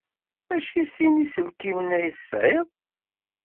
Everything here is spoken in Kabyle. Maci sin n yiselkimen ay tesɛid?